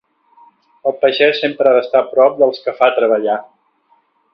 El pagès sempre ha d'estar prop dels que fa treballar.